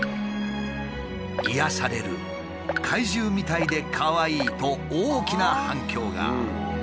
「癒やされる」「怪獣みたいでかわいい」と大きな反響が！